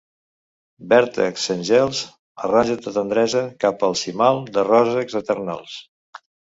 Vèrtex sens gel, arranja ta tendresa cap al cimal de ròssecs eternals.